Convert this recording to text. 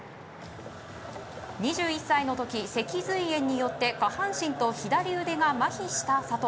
２１歳の時、脊髄炎によって下半身と左腕がまひした佐藤。